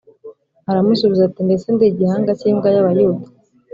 aramusubiza ati “Mbese ndi igihanga cy’imbwa y’Abayuda?